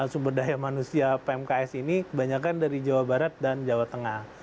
sumber daya manusia pmks ini kebanyakan dari jawa barat dan jawa tengah